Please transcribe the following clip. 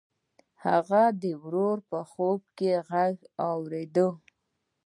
هغه د ورور خوب کې غږ واورېد.